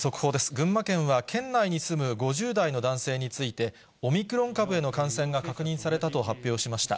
群馬県は県内に住む５０代の男性について、オミクロン株への感染が確認されたと発表しました。